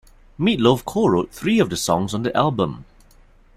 Meat Loaf co-wrote three of the songs on the album.